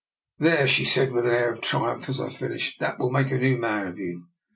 " There," she said, with an air of triumph as I finished, that will make a new man of you."